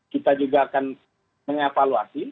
kita juga akan mengevaluasi